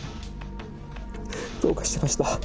どうかしてました。